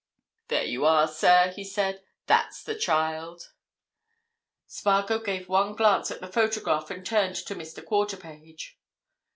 "There you are, sir," he said. "That's the child!" Spargo gave one glance at the photograph and turned to Mr. Quarterpage.